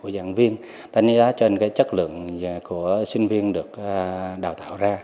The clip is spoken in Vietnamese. đánh giá trên chất lượng của sinh viên được đào tạo ra